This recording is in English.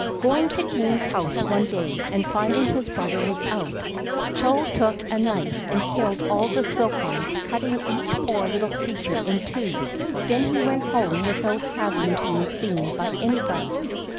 Going to Kané's house one day, and finding his brother was out, Chô took a knife and killed all the silkworms, cutting each poor little creature in two; then he went home without having been seen by anybody.